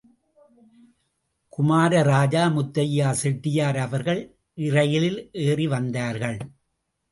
குமார ராஜா முத்தையா செட்டியார் அவர்கள் இரயிலில் ஏறவந்தார்கள்.